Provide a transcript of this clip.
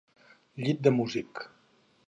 Llit de músic.